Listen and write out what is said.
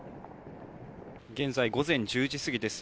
現在、午前１０時過ぎです。